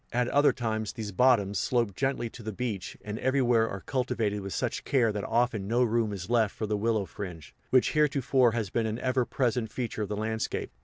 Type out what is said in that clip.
At other times, these bottoms slope gently to the beach and everywhere are cultivated with such care that often no room is left for the willow fringe, which heretofore has been an ever present feature of the landscape.